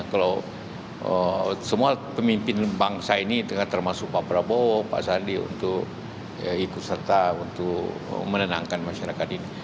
kalau semua pemimpin bangsa ini termasuk pak prabowo pak sandi untuk ikut serta untuk menenangkan masyarakat ini